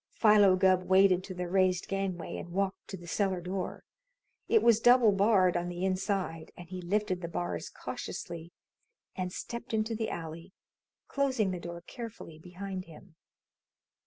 Philo Gubb waded to the raised gangway and walked to the cellar door. It was double barred on the inside, and he lifted the bars cautiously and stepped into the alley, closing the door carefully behind him.